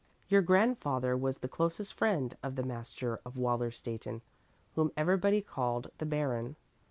Your grandfather was the closest friend of the master of Wallerstätten, whom everybody called the Baron.